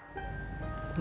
itu belum tentu bener